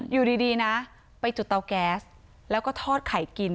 อยู่ดีนะไปจุดเตาแก๊สแล้วก็ทอดไข่กิน